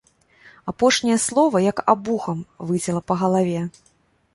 Апошняе слова, як абухам, выцяла па галаве.